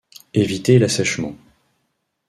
Éviter l'assèchement.